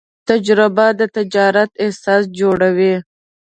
تجربه د تجارت اساس جوړوي.